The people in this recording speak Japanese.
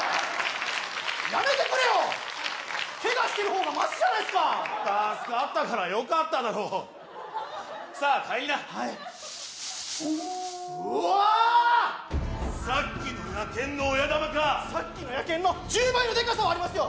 やめてくれよケガしてるほうがましじゃないすか助かったからよかっただろさあ帰りなはいうわあっさっきの野犬の親玉かさっきの野犬の１０倍のデカさはありますよ